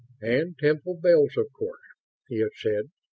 and Temple Bells, of course," he had said.